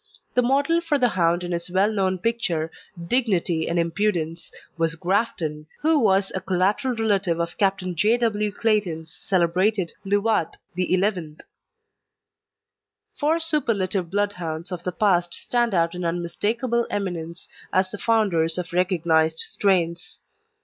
The model for the hound in his well known picture, "Dignity and Impudence," was Grafton, who was a collateral relative of Captain J. W. Clayton's celebrated Luath XI. Four superlative Bloodhounds of the past stand out in unmistakable eminence as the founders of recognised strains.